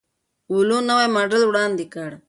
ولوو نوی ماډل وړاندې کړ.